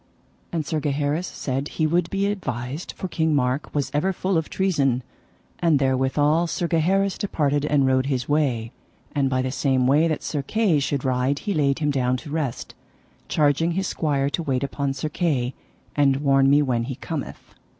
And Sir Gaheris said he would be avised for King Mark was ever full of treason: and therewithal Sir Gaheris departed and rode his way. And by the same way that Sir Kay should ride he laid him down to rest, charging his squire to wait upon Sir Kay; And warn me when he cometh.